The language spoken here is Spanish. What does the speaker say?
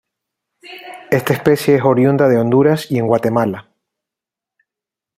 Esta especie es oriunda de Honduras y en Guatemala.